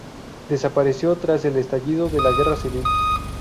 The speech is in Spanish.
Desapareció tras el estallido de la Guerra civil.